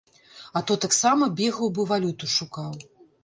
А то таксама бегаў бы валюту шукаў.